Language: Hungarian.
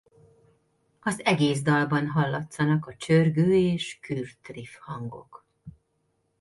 Az egész dalban hallatszanak a csörgő és kürt riff hangok.